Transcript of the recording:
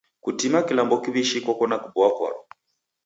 Kutima kilambo kiw'ishi koko na kuboa kwaro.